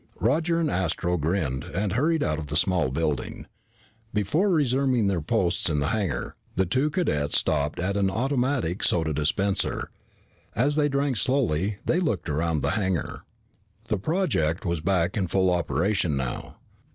Roger and Astro grinned and hurried out of the small building. Before resuming their posts in the hangar, the two cadets stopped at an automatic soda dispenser. As they drank slowly, they looked around the hangar. The project was back in full operation now.